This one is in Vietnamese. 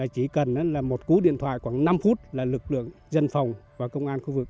chỉ cần là một cú điện thoại khoảng năm phút là lực lượng dân phòng và công an khu vực